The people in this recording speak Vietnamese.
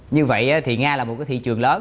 như vậy thì nga là một cái thị trường lớn